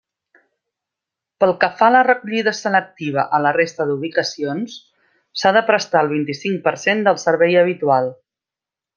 Pel que fa a la recollida selectiva a la resta d'ubicacions, s'ha de prestar el vint-i-cinc per cent del servei habitual.